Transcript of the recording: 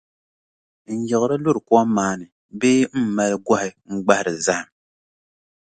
N-yiɣiri luri kom maa ni bee m-mali gɔhi n-gbahiri zahim.